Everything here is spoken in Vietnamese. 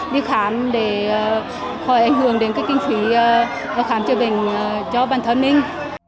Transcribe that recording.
đi khám để khỏi ảnh hưởng đến cái kinh phí khám chữa bệnh cho bản thân mình